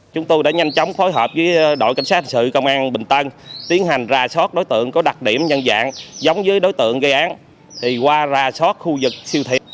chúng tôi đã nhanh chóng phối hợp với đội cảnh sát hình sự công an bình tân tiến hành ra sót đối tượng có đặc điểm nhân dạng giống với đối tượng gây án qua ra soát khu vực siêu thị